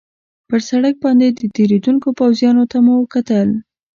پر سړک باندې تېرېدونکو پوځیانو ته مو کتل.